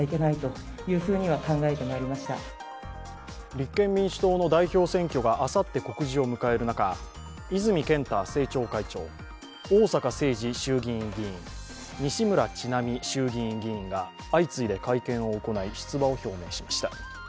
立憲民主党の代表選挙があさって告示を迎える中、泉健太政調会長、逢坂誠二衆議院議員西村智奈美衆院議員が相次いで会見を行い、出馬を表明しました。